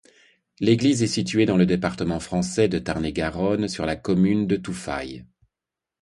L'église est située dans le département français de Tarn-et-Garonne, sur la commune de Touffailles.